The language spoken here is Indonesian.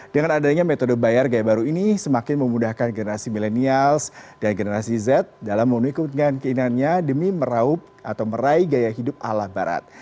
dengan adanya metode bayar gaya baru ini semakin memudahkan generasi milenials dan generasi z dalam mengikutkan keinginannya demi meraup atau meraih gaya hidup ala barat